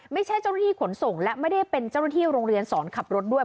ไม่ใช่เจ้าหน้าที่ขนส่งและไม่ได้เป็นเจ้าหน้าที่โรงเรียนสอนขับรถด้วย